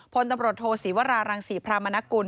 พลตำรวจโทษศีวรารังศรีพรามนกุล